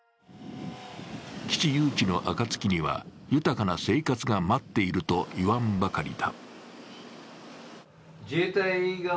基地誘致のあかつきには豊かな生活が待っていると言わんばかりだ。